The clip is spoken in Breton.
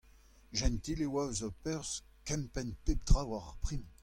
Jentil e oa eus ho perzh kempenn pep tra war ar prim.